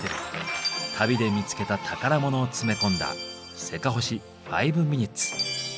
旅で見つけた宝物を詰め込んだ「せかほし５ｍｉｎ．」。